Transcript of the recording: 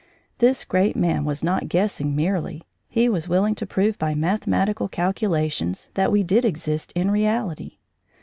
This great man was not guessing merely; he was willing to prove by mathematical calculations that we did exist in reality.